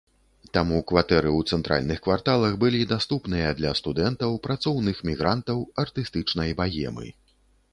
Таму кватэры ў цэнтральных кварталах былі даступныя для студэнтаў, працоўных мігрантаў, артыстычнай багемы.